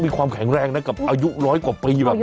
มีความแข็งแรงนะกับอายุร้อยกว่าปีแบบนี้